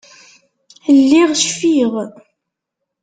Lliɣ cfiɣ.